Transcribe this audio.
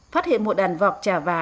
phát hiện một đàn vọc trà vá